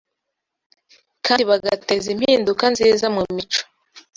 kandi bagateza impinduka nziza mu mico.